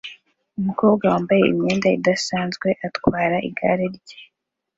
Umukobwa wambaye imyenda idasanzwe atwara igare rye